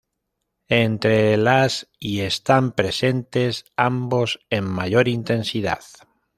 Entre las y están presentes ambos en mayor intensidad.